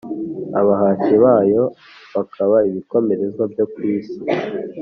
abahashyi bayo bakaba ibikomerezwa byo ku isi!